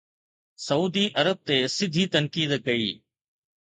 Saudi Arab تي سڌي تنقيد ڪئي